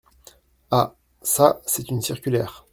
Ah ! çà, c’est une circulaire…